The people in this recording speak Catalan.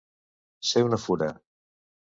Ser una fura.